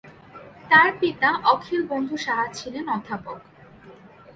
তার পিতা অখিল বন্ধু সাহা ছিলেন অধ্যাপক।